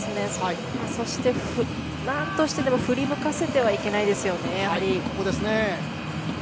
そして、何としてでも振り向かせてはいけないですよね。